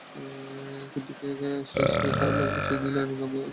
কিন্তু সেই খারাপ লাগা পুষিয়ে গেল এবার আগমনী সংগঠনের পূজার মাধ্যমে।